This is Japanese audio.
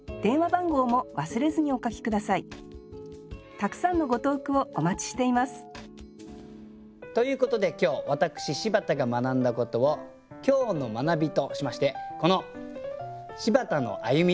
たくさんのご投句をお待ちしていますということで今日私柴田が学んだことを今日の学びとしましてこの「柴田の歩み」